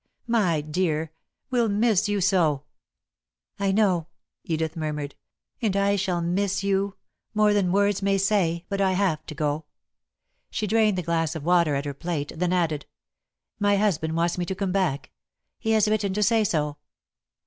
"My dear! We'll miss you so." "I know," Edith murmured, "and I shall miss you more than words may say, but I have to go." She drained the glass of water at her plate, then added: "My husband wants me to come back. He has written to say so."